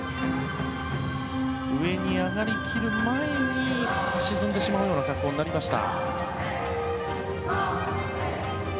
上に上がりきる前に沈んでしまうような格好になりました。